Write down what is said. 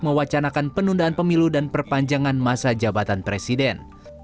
mewacanakan penundaan pemilu dan perpanjangan masa jabatan presiden